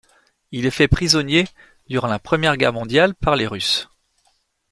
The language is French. Il est fait prisonnier, durant la Première Guerre mondiale, par les Russes.